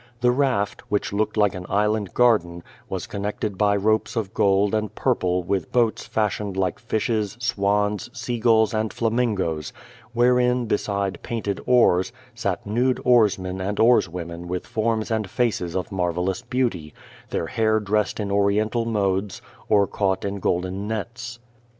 The raft, which lookeil like an island garden, was connected by ropes of gold and purple with boats fashioned like fishes, swans, seagulls and flamingoes^ wherein beside painted oars sat nude oarsmen and QUO VADim, 243 oarswomen with forms and faces of marvellous beauty, their hair dressed in Orientnl modes, or cau<^ht in golden nets.